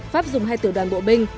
pháp dùng hai tiểu đoàn bộ binh